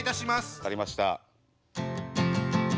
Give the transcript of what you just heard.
分かりました。